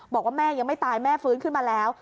บอกว่าแม่ยังไม่ตายแม่ฟื้นขึ้นมาแล้ว